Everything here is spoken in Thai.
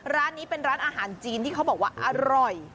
ร้านนี้เป็นร้านอาหารจีนที่เขาบอกว่าอร่อย